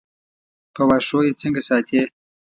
په واښو یې څنګه ساتې.